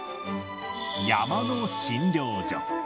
山の診療所。